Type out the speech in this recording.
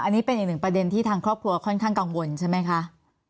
อันนี้เป็นอีกหนึ่งประเด็นที่ทางครอบครัวค่อนข้างกังวลใช่ไหมคะ